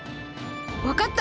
わかった！